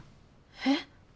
えっ？